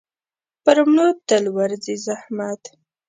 پر مړو تل ورځي زحمت.